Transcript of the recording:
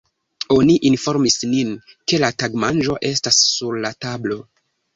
Oni informis nin, ke la tagmanĝo estas sur la tablo.